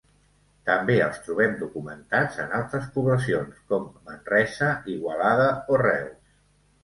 També els trobem documentats en altres poblacions, com Manresa, Igualada o Reus.